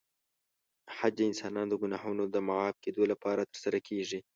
حج د انسانانو د ګناهونو د معاف کېدو لپاره ترسره کېږي.